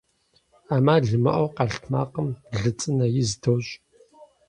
Ӏэмал имыӀэу, къэлътмакъым лы цӀынэ из дощӀ.